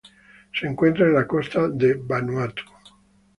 Se encuentra en las costas de Vanuatu.